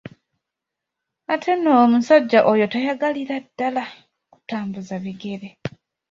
Ate nno omusajja oyo tayagalira ddala kutambuza bigere.